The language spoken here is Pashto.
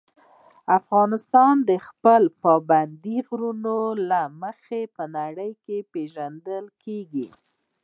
افغانستان د خپلو پابندي غرونو له مخې په نړۍ پېژندل کېږي.